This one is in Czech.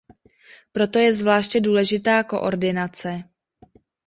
Proto je zvláště důležitá koordinace.